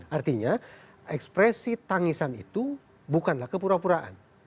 artinya ekspresi tangisan itu bukanlah kepura puraan